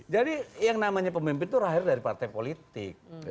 jadi yang namanya pemimpin tuh lahir dari partai politik